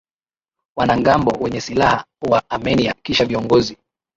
wanamgambo wenye silaha wa Armenia Kisha viongozi